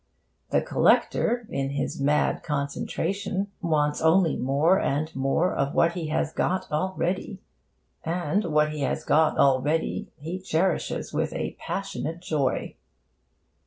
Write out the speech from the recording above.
The collector, in his mad concentration, wants only more and more of what he has got already; and what he has got already he cherishes with a passionate joy.